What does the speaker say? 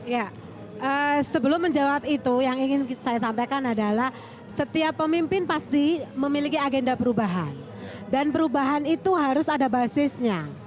ya sebelum menjawab itu yang ingin saya sampaikan adalah setiap pemimpin pasti memiliki agenda perubahan dan perubahan itu harus ada basisnya